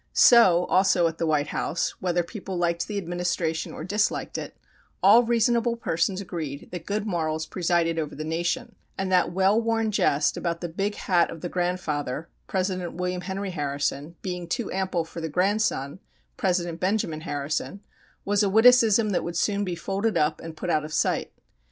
So, also, at the White House, whether people liked the Administration or disliked it, all reasonable persons agreed that good morals presided over the nation, and that well worn jest about the big hat of the grandfather, President William Henry Harrison, being too ample for the grandson, President Benjamin Harrison, was a witticism that would soon be folded up and put out of sight.